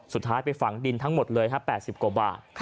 สุดท้ายไปฝังดินทั้งหมดเลย๘๐กว่าบาท